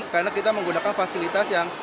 karena kita menggunakan fasilitas yang